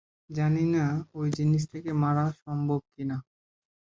জানি না ওই জিনিসটাকে মারা সম্ভব কিনা।